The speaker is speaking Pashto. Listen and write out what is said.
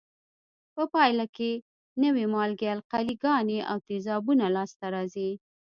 په پایله کې نوې مالګې، القلي ګانې او تیزابونه لاس ته راځي.